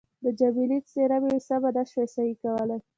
د جميله څېره مې سمه نه شوای صحیح کولای.